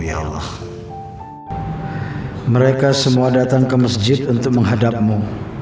ya allah mereka semua datang ke masjid untuk menghadapmu